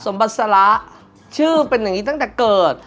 สมบัติสระชื่อเป็นอย่างนี้ตั้งแต่เกิด